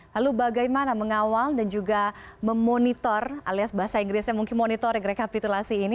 lalu bagaimana mengawal dan juga memonitor alias bahasa inggrisnya mungkin monitor rekapitulasi ini